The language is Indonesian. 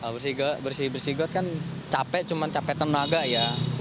bersih bersih got kan capek cuma capek tenaga ya